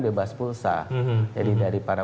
bebas pulsa jadi dari para